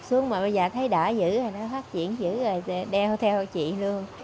lên xuống mà bây giờ thấy đỡ dữ nó phát triển dữ rồi đeo theo chị luôn